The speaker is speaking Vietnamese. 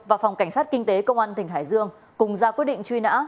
và phòng cảnh sát kinh tế công an tỉnh hải dương cùng ra quyết định truy nã